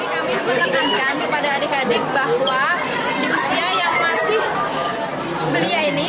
kami menekankan kepada adik adik bahwa di usia yang masih belia ini